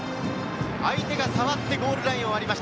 相手が触ってゴールラインを割りました。